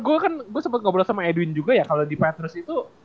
gue kan sempet ngobrol sama edwin juga ya kalo di petrus itu